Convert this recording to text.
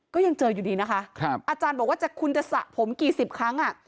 ก็ยังเจออยู่ดีนะคะอาจารย์บอกว่าคุณจะสระผมกี่สิบครั้ง